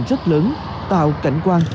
rất lớn tạo cảnh quan